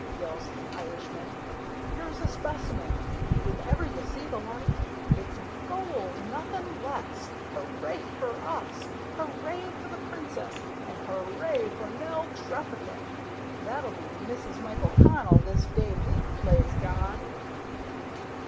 yells the Irishman. "Here's a specimen. Did ever you see the like? It's gold nothing less! Hooray for us! Hooray for the Princess! and hooray for Nell Trefethen, that'll be Mrs. Michael Connell this day week, plaze God!"